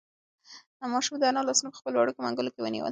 ماشوم د انا لاسونه په خپلو وړوکو منگولو کې ونیول.